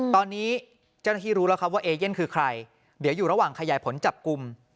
ตอนนี้เจ้าหน้าที่รู้แล้วครับว่าเอเย่นคือใครเดี๋ยวอยู่ระหว่างขยายผลจับกลุ่ม